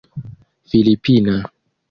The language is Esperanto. filipina